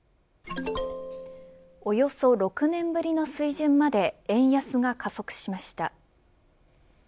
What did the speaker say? およそ６年ぶりの水準まで円安が加速しました。